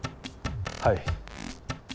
はい。